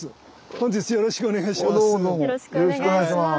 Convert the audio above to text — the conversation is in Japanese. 本日よろしくお願いします。